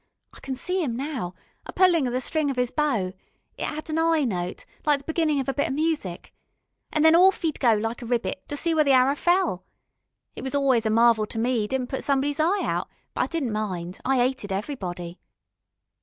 I can see 'im now, a pulling of the string of 'is bow it 'ad an 'igh note, like the beginnin' of a bit o' music an' then awf 'e'd go like a rebbit, to see where the arrer fell. It was always a marvel to me 'e didn't put somebody's eye out, but I didn't mind I 'ated everybody.